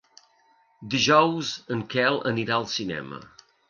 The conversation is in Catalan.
Dijous en Quel anirà al cinema.